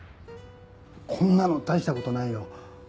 こんなの大した事ないよ。